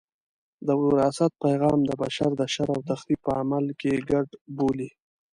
د وراثت پیغام د بشر د شر او تخریب په عمل کې ګډ بولي.